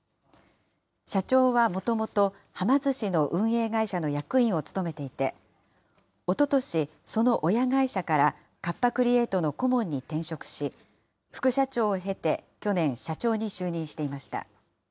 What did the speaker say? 社長はもともと、はま寿司の運営会社の役員を務めていて、おととし、その親会社からカッパ・クリエイトの顧問に転職し、副社長を経て去年、社長に就任していました。